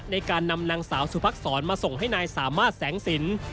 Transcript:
ในการนำนางสาวสุภักษรมาส่งให้นายสามารถแสงสิน